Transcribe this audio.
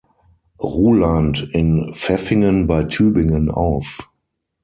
Ruland in Pfäffingen bei Tübingen auf.